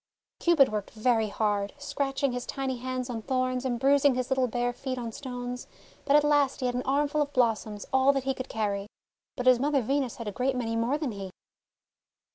Cupid worked very hard, scratching his tiny hands on thorns, and bruising his little bare feet on stones, but at last he had an armful of blos soms, all that he could carry. But his mother Venus had a great many more than he.